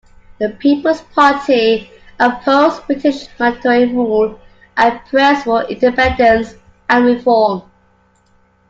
The People's Party opposed British Mandatory rule and pressed for independence and reform.